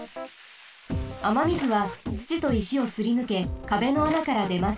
あまみずはつちといしをすりぬけかべの穴からでます。